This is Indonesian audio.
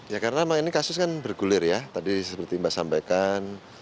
ya karena memang ini kasus kan bergulir ya tadi seperti mbak sampaikan